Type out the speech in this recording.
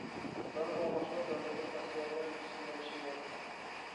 دادا بولغۇچىمۇ بەلگىلىك مەسئۇلىيەتنى ئۆز ئۈستىگە ئېلىشى زۆرۈر.